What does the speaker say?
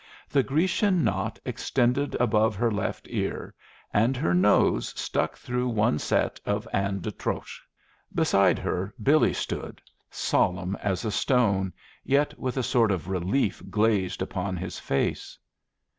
The Grecian knot extended above her left ear, and her nose stuck through one set of Anne d'Autriche. Beside her Billy stood, solemn as a stone, yet with a sort of relief glazed upon his face.